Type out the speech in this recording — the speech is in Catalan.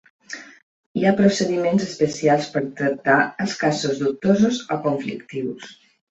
Hi ha procediments especials per tractar els casos dubtosos o conflictius.